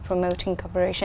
trong khu vực rộng rãi